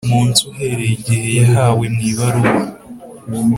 munsi uhereye igihe yahawe mu ibaruwa